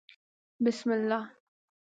_بسم الله.